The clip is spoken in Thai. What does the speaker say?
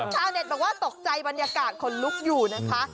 ชาวเน็ตบอกว่าตกใจบรรยากาศขนลุกอยู่นะคะ